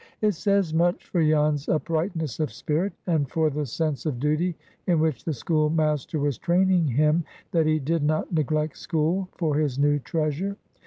It says much for Jan's uprightness of spirit, and for the sense of duty in which the schoolmaster was training him, that he did not neglect school for his new treasure.